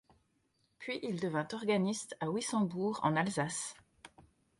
Puis il devint organiste à Wissembourg, en Alsace.